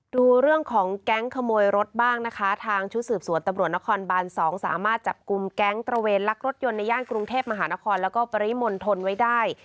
ดูเรื่องของแก๊งขโมยรถบ้างนะคะทางชุดสืบสวนตำรวจนครบาน๒สามารถจับกลุ่มแก๊งตระเวนลักรถยนต์ในย่านกรุงเทพมหานครแล้วก็ปริมณฑลไว้ได้